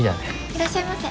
いらっしゃいませ。